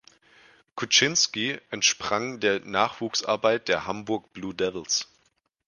Kuczynski entsprang der Nachwuchsarbeit der Hamburg Blue Devils.